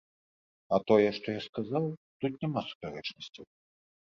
А тое, што я сказаў, тут няма супярэчнасцяў.